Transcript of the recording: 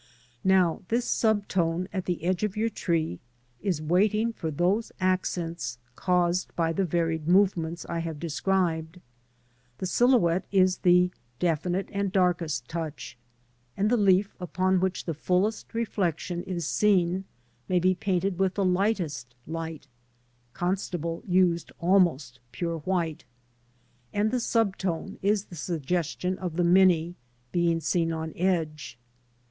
Now this sub tone at the edge of your tree is waiting for those accents caused by the varied movements I have described. The silhouette is the definite and darkest touch; and the leaf upon which the fullest reflection is seen may be painted with the highest light (Constable used almost pure white) and the sub tone is the suggestion of the many, being seen on edge.